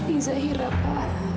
ini zahirah pa